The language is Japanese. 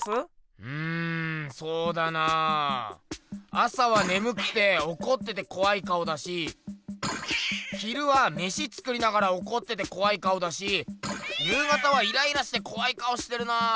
朝はねむくておこっててこわい顔だし昼はメシ作りながらおこっててこわい顔だし夕方はイライラしてこわい顔してるな。